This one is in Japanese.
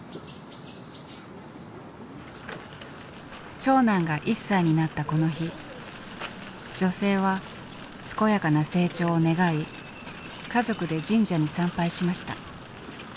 長男が１歳になったこの日女性は健やかな成長を願い家族で神社に参拝しました。